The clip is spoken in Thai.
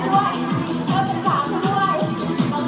แล้วไปไหนนะครับล้อมแล้ว